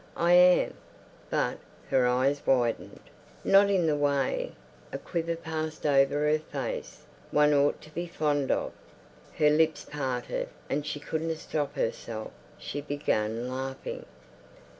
"I am. But"—her eyes widened—"not in the way"—a quiver passed over her face—"one ought to be fond of—" Her lips parted, and she couldn't stop herself. She began laughing.